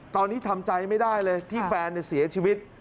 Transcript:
ตอนนี้ทำใจไม่ได้เลยที่แฟนเสียชีวิต